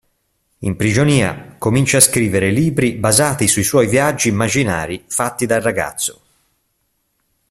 In prigionia comincia a scrivere libri basati sui suoi viaggi immaginari fatti da ragazzo.